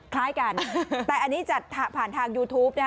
คล้ายกันแต่อันนี้จัดผ่านทางยูทูปนะฮะ